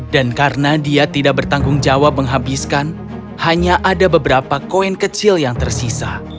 dan karena dia tidak bertanggung jawab menghabiskan hanya ada beberapa koin kecil yang tersisa